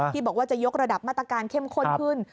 ที่บอกว่าจะยกระดับมาตรการเข้มข้นขึ้น